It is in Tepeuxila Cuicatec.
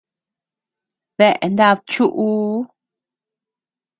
¿Dea nad chuʼuu?